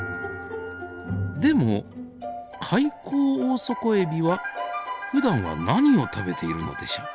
でもカイコウオオソコエビはふだんは何を食べているのでしょう。